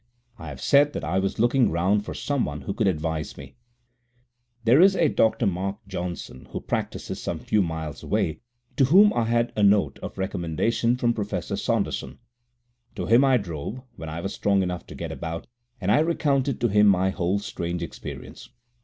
I have said that I was looking round for someone who could advise me. There is a Dr. Mark Johnson who practices some few miles away, to whom I had a note of recommendation from Professor Saunderson. To him I drove, when I was strong enough to get about, and I recounted to him my whole strange experience.